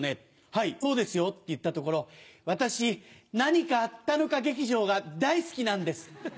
「はいそうですよ」って言ったところ「私何かあったのか劇場が大好きなんです」。